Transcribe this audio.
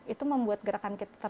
itu membuat gerakan kita